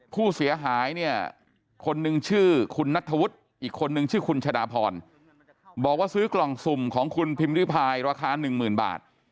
ผู้เสียหายเนี่ยคนนึงชื่อคุณนัทธวุฒิอีกคนนึงชื่อคุณชะดาพรบอกว่าซื้อกล่องสุ่มของคุณพิมพิพายราคา๑๐๐๐บาท